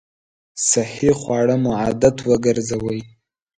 صحي خواړه مو عادت وګرځوئ!